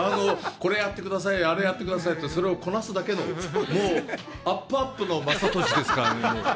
これやってください、あれやってくださいって、それをこなすだけの、もうあっぷあっぷの雅俊ですから。